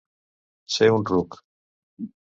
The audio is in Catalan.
Ser un ruc.